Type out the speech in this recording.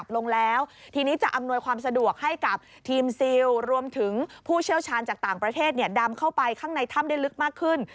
ลงแล้วทีนี้จะอำนวยความสะดวกให้กับทีมซิลรวมถึงผู้เชี่ยวชาญจากต่างประเทศดำเข้าไปข้างในถ้ำได้ลึกมากขึ้น